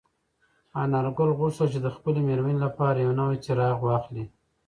انارګل غوښتل چې د خپلې مېنې لپاره یو نوی څراغ واخلي.